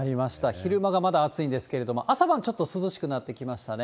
昼間がまだ暑いんですけれども、朝晩ちょっと涼しくなってきましたね。